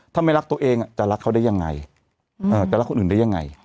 ถ้าไม่รักตัวเองจะรักเขาได้ยังไงจะรักคนอื่นได้ยังไง